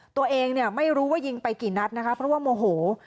ตัวเองเนี่ยไม่รู้ว่ายิงไปกี่นัดนะคะเพราะว่าโมโห